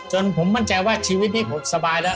จนผมมั่นใจว่าชีวิตนี้ผมสบายแล้ว